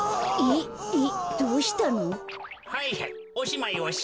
えっどうしたの？